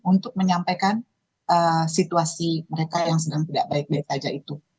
untuk menyampaikan situasi mereka yang sedang tidak baik baik saja itu